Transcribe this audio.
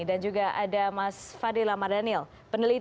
dan juga ada mas fadil amar daniel peneliti